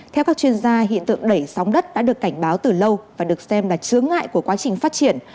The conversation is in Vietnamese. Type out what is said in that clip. theo các chuyên gia hiện tượng đẩy sóng đất đã được cảnh báo từ lâu và được xem là chướng ngại của quá trình phát triển